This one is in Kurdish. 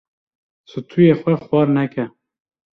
Stûyê xwe xwar neke.